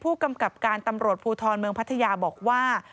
ผู้กำกับการตำรวจภูทรเมืองพัทยาบอกว่า